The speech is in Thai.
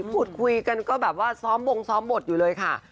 พูดคุยกันก็แบบว่าซ้อมวงซ้อมบทอยู่เลยค่ะ